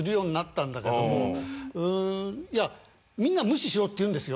いやみんなは無視しろって言うんですよ。